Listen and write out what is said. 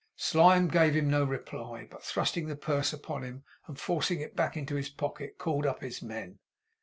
Slyme gave him no reply, but thrusting the purse upon him and forcing it back into his pocket, called up his men.